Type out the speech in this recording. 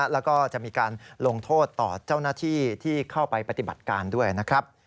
แล้วก็จะมีการลงโทษต่อเจ้าหน้าที่ที่เข้าไปปฏิบัติการด้วยนะครับ